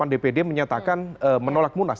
tiga puluh delapan dpd menyatakan menolak munas